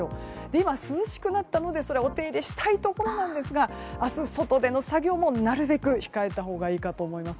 今、涼しくなってきたのでお手入れしたいところですが明日、外での作業もなるべく控えたほうがいいかと思います。